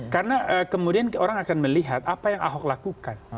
karena kemudian orang akan melihat apa yang ahok lakukan